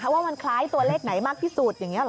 ว่ามันคล้ายตัวเลขไหนมากที่สุดอย่างนี้หรอ